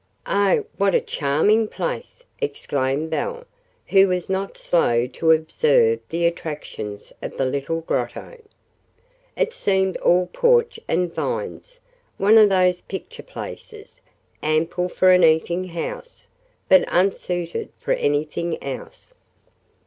"Oh, what a charming place!" exclaimed Belle, who was not slow to observe the attractions of the little Grotto. It seemed all porch and vines, one of those picture places, ample for an eating house, but unsuited for anything else.